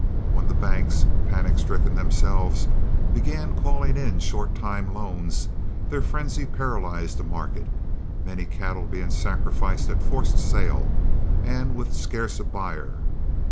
When the banks, panic stricken themselves, began calling in short time loans, their frenzy paralyzed the market, many cattle being sacrificed at forced sale and with scarce a buyer.